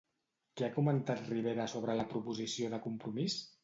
Què ha comentat Rivera sobre la proposició de Compromís?